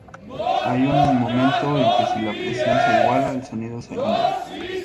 Hay un momento, en que si la presión se iguala, el sonido se anula.